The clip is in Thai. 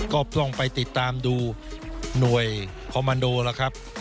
ก็ต้องไปติดตามดูหน่วยคอมมันโดล่ะครับ